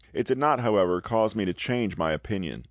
It did not, however, cause me to change my opinion.